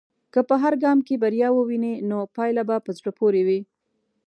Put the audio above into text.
که په هر ګام کې بریا ووینې، نو پايله به په زړه پورې وي.